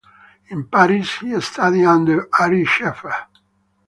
In Paris she studied under Ary Scheffer.